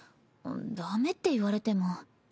ダメって言われても。